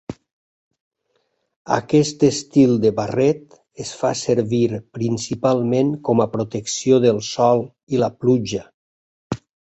Aquest estil de barret es fa servir principalment com a protecció del sol i la pluja.